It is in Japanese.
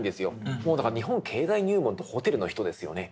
もうだから「日本経済入門」と「ＨＯＴＥＬ」の人ですよね。